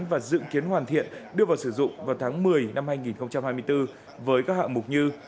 và dự kiến hoàn thiện đưa vào sử dụng vào tháng một mươi năm hai nghìn hai mươi bốn với các hạng mục như